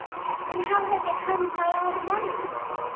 And how had they come by all that money?